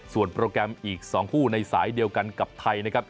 ส่วนโปรแกรมอีก๒คู่ในสายเดียวกันกับไทยนะครับ